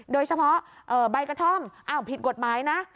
โดยเฉพาะใบกระท่อมอ้าวผิดกฎหมายนะ